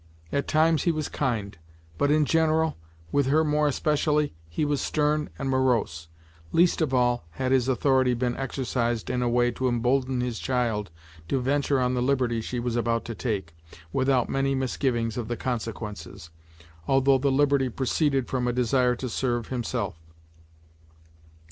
At times he was kind, but in general, with her more especially, he was stern and morose. Least of all had his authority been exercised in a way to embolden his child to venture on the liberty she was about to take, without many misgivings of the consequences, although the liberty proceeded from a desire to serve himself.